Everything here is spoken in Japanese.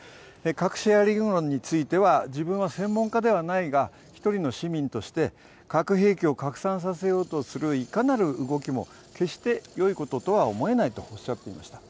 核シェアリング論については、自分は専門家ではないが１人の市民として核兵器を拡散させようとするいかなる動きも決してよいこととは思えないとおっしゃっていました。